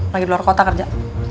lagi luar kota kerja